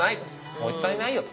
もったいないよと。